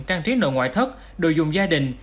trang trí nội ngoại thức đồ dùng gia đình